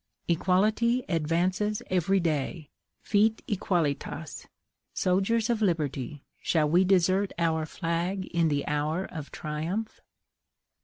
Equality advances every day fit aequalitas. Soldiers of liberty, shall we desert our flag in the hour of triumph?